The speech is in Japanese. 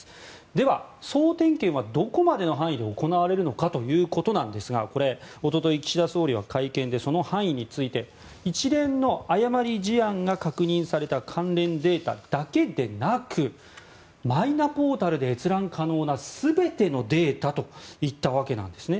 では、総点検はどこまでの範囲で行われるのかということですが一昨日、岸田総理は会見でその範囲について一連の誤り事案が確認された関連データだけでなくマイナポータルで閲覧可能な全てのデータと言ったわけなんです。